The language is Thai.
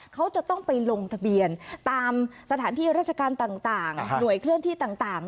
เขาจะต้องไปลงทะเบียนตามสถานที่ราชการต่างหน่วยเคลื่อนที่ต่าง